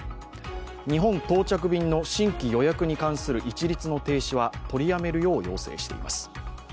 日本到着便の新規予約に関する一律の停止は取りやめるよう要請しています。